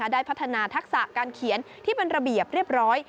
ได้พัฒนาทักษะการเขียนที่เป็นระเบียบเรียบร้อย